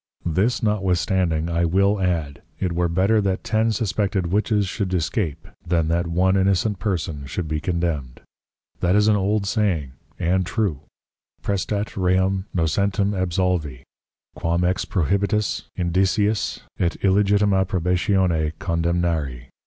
This notwithstanding I will add; It were better that ten suspected Witches should escape, than that one innocent Person should be Condemned; that is an old saying, and true, _Prestat reum nocentem absolvi, quam ex prohibitis Indiciis & illegitima probatione condemnari.